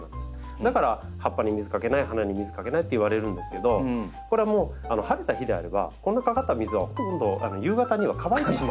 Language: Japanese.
だから葉っぱに水かけない花に水かけないっていわれるんですけどこれはもう晴れた日であればこんなかかった水はほとんど夕方には乾いてしまう。